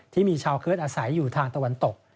ที่มีชาวเคิร์ตอาศัยอยู่ทางตะวันตก